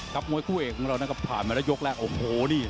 กลับมวยคู่เอกของเราน่ะก็ผ่านมาแล้วยกแรกโอ้โหนี่